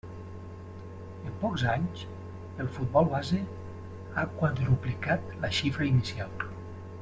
En pocs anys, el futbol base ha quadruplicat la xifra inicial.